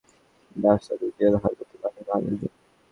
আদালতের বিচারক অঞ্জন কান্তি দাস তাঁদের জেল হাজতে পাঠানোর আদেশ দেন।